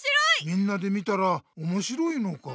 みんなで見たらおもしろいのか。